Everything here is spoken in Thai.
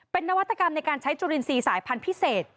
เป็นนวัตกรรมในการใช้จุลินทรีย์สายพันธุ์พิเศษ